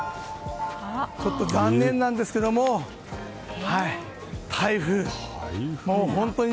ちょっと残念なんですけれども台風。